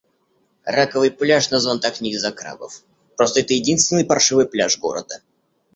Раковый пляж назван так не из-за крабов. Просто это единственный паршивый пляж города.